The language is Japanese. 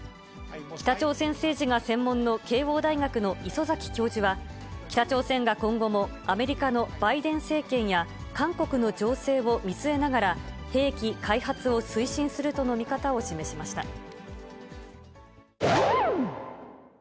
北朝鮮政治が専門の慶応大学の磯崎教授は、北朝鮮が今後もアメリカのバイデン政権や、韓国の情勢を見据えながら兵器開発を推進するとの見方を示しました。